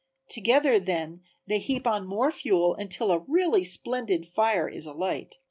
Together then they heap on more fuel until a really splendid fire is a light.